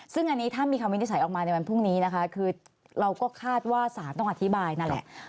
ซึ่งอันนี้ถ้ามีคำวินิจฉัยออกมาในวันพรุ่งนี้นะคะคือเราก็คาดว่าสารต้องอธิบายนั่นแหละ